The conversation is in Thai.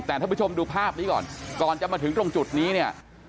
แต่ท่านผู้ชมดูภาพนี้ก่อนก่อนจะมาถึงตรงจุดนี้เนี่ย